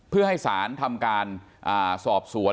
เพื่อให้ศาลทำการสอบสวน